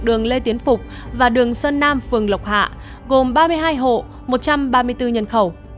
đường lê tiến phục và đường sơn nam phường lộc hạ gồm ba mươi hai hộ một trăm ba mươi bốn nhân khẩu